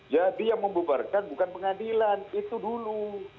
jadi yang membubarkan bukan pengadilan itu dulu